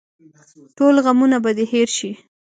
ټول غمونه به دې هېر شي.